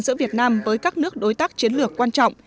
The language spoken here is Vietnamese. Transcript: giữa việt nam với các nước đối tác chiến lược quan trọng